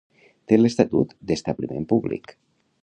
Té l'estatut d'establiment públic.